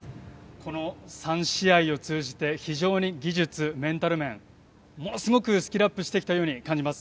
この３試合を通じて非常に技術、メンタル面ものすごくスキルアップをしてきたように感じます。